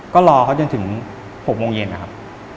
ก็รอเขาจนถึง๖โมงเย็นนะครับ